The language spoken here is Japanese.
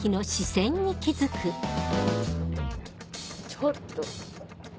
ちょっと。